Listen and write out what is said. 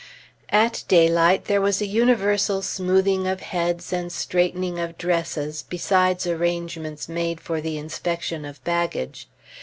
At daylight there was a universal smoothing of heads, and straightening of dresses, besides arrangements made for the inspection of baggage.